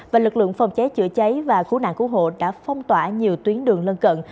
và lực lượng phòng cháy chữa cháy và cứu nạn cứu hộ đã phong tỏa nhiều tuyến đường lân cận